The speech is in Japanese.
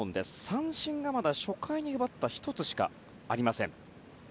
三振が初回に奪った１つしかありません。